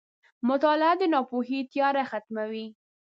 • مطالعه د ناپوهۍ تیاره ختموي.